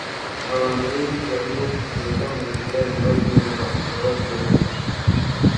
Abantu benshi barimo kugenda munzira nyabagendwa nyabagendwa